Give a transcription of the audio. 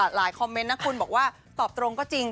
คอมเมนต์นะคุณบอกว่าตอบตรงก็จริง